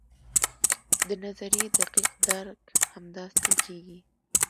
د نظریې دقیق درک همداسې کیږي.